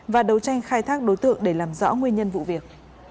và đấu tranh khai thác đối tượng để làm rõ nguyên nhân vụ việc